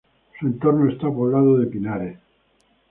Su entorno está poblado de pinares.